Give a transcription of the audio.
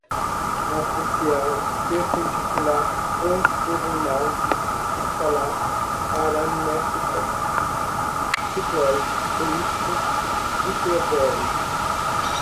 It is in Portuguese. matricial, perpendicular, ortogonal, escalar, paramétricas, cicloide, elipse, hipérbole